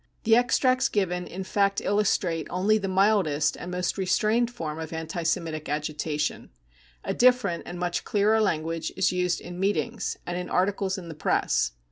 The extracts given in fact illustrate only the mildest and most restrained form of anti Semitic agitation. A different and much clearer language is used in meetings and in articles in the Press'!